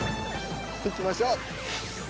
いきましょう。